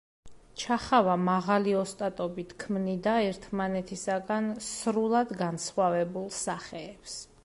ჩახავა მაღალი ოსტატობით ქმნიდა ერთმანეთისაგან სრულად განსხვავებულ სახეებს.